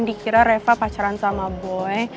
dikira reva pacaran sama boy